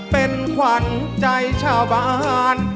เป็นขวัญใจชาวบ้าน